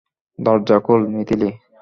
দরজা খোল, মিথিলি।